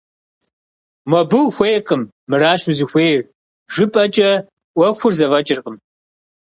Мобы ухуейкъым, мыращ узыхуейр жыпӏэкӏэ ӏуэхур зэфӏэкӏыркъым.